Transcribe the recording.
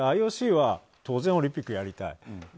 ＩＯＣは当然オリンピックをやりたい。